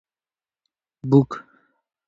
book